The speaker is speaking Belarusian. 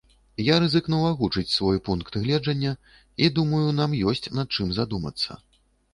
Я рызыкнуў агучыць свой пункт гледжання, і думаю, нам ёсць над чым задумацца.